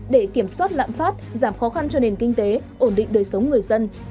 để kiểm soát lạm phát giảm khó khăn cho nền kinh tế ổn định đời sống người dân